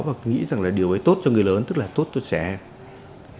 và nghĩ rằng là điều ấy tốt cho người lớn tức là tốt cho trẻ em